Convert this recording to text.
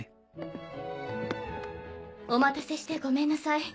お待たせしてごめんなさい。